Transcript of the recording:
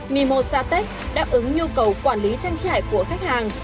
mimosa tech đáp ứng nhu cầu quản lý trang trải của khách hàng